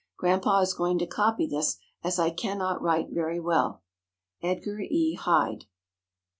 Grandpa is going to copy this, as I can not write very well. EDGAR. E. HYDE.